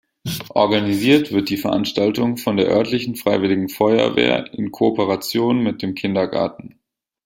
Organisiert wird die Veranstaltung von der örtlichen Freiwilligen Feuerwehr in Kooperation mit dem Kindergarten.